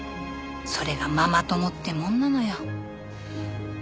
それがママ友ってもんなのよ。